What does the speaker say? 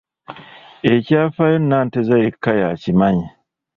Ekyafaayo Nanteza yekka y'akimanyi.